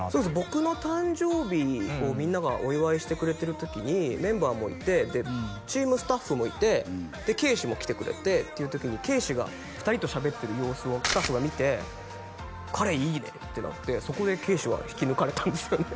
僕の誕生日をみんながお祝いしてくれてる時にメンバーもいてチームスタッフもいてで圭史も来てくれてっていう時に圭史が２人としゃべってる様子をスタッフが見て「彼いいね」ってなってそこで圭史は引き抜かれたんですよね